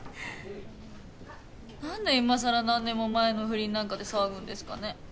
何で今さら何年も前の不倫なんかで騒ぐんですかね？